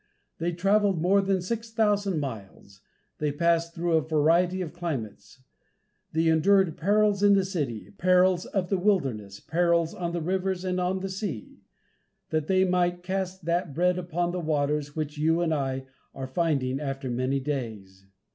They traveled more than six thousand miles; they passed through a variety of climates; they endured "perils in the city, perils of the wilderness, perils on the rivers and on the sea," that they might cast that bread upon the waters which you and I are finding after many days.